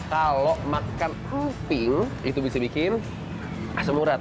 kalau makan emping itu bisa bikin asam urat